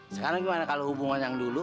sekarang gimana kalau hubungan yang dulu